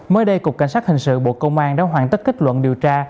mới đây cục cảnh sát hình sự bộ công an đã hoàn tất kết luận điều tra